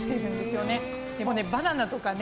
でもねバナナとかね